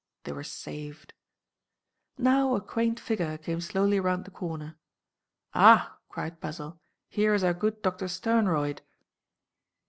They were saved. Now a quaint figure came slowly round the corner. "Ah!" cried Basil, "here is our good Doctor Sternroyd!"